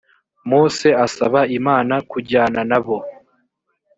mose asaba imana kujyana na bo